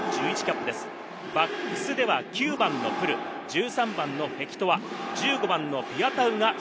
バックスでは９番のプル、１３番のフェキトア。